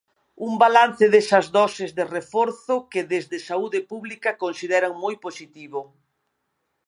Un balance desas doses de reforzo que desde Saúde Pública consideran moi positivo.